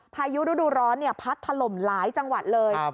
พายุฤดูร้อนพัดถล่มหลายจังหวัดเลย